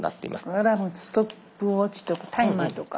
アラームストップウォッチとタイマーとか。